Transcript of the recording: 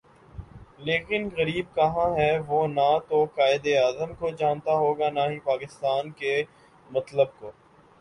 لیکن غریب کہاں ہے وہ نہ توقائد اعظم کو جانتا ہوگا نا ہی پاکستان کے مطلب کو